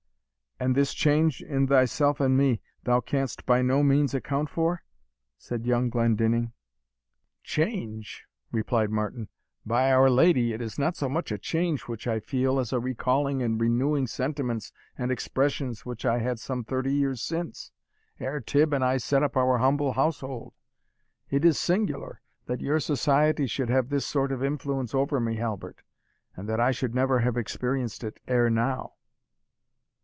"And this change in thyself and me, thou canst by no means account for?" said young Glendinning. "Change!" replied Martin, "by our Lady it is not so much a change which I feel, as a recalling and renewing sentiments and expressions which I had some thirty years since, ere Tibb and I set up our humble household. It is singular, that your society should have this sort of influence over me, Halbert, and that I should never have experienced it ere now."